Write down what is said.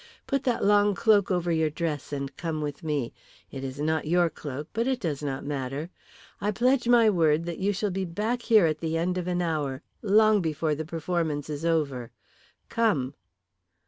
Put that long cloak over your dress and come with me. It is not your cloak, but it does not matter. I pledge my word that you shall be back here at the end of an hour long before the performance is over. Come."